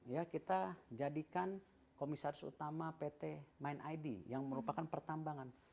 ya kita jadikan komisaris utama pt mind id yang merupakan pertambangan